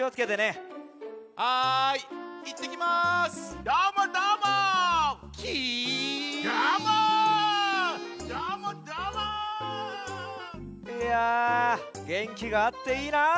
いやげんきがあっていいな。